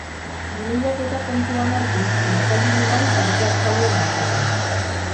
Bi lehiaketak kontutan hartuz, euskaldun ugari parte hartzaileen artean.